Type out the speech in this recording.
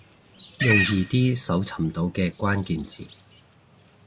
用易啲搜尋到嘅關鍵字